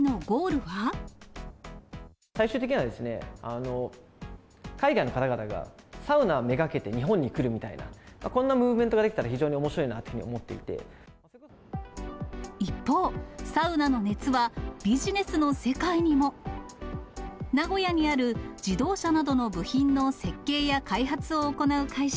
最終的にはですね、海外の方々がサウナ目がけて日本に来るみたいな、こんなムーブメントができたら非常におもしろいなというふうに思一方、サウナの熱はビジネスの世界にも。名古屋にある自動車などの部品の設計や開発を行う会社。